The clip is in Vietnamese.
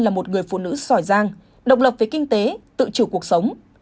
là một người phụ nữ sỏi giang độc lập về kinh tế tự chủ cuộc sống